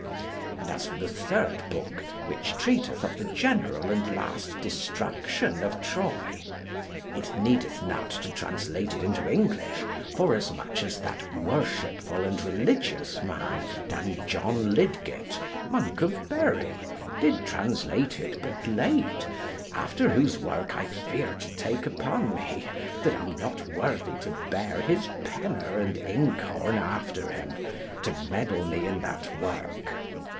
And as for the third book, which treateth of the general and last destruction of Troy, it needeth not to translate it into English, for as much as that worshipful and religious man, Dan John Lidgate, monk of Bury, did translate it but late; after whose work I fear to take upon me, that am not worthy to bear his penner and ink horn after him, to meddle me in that work.